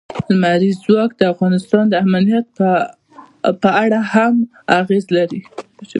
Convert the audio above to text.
لمریز ځواک د افغانستان د امنیت په اړه هم اغېز لري.